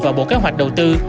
và bộ kế hoạch đầu tư